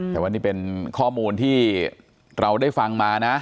แต่ว่านี่เป็นข้อมูลที่เราได้ฟังมานะ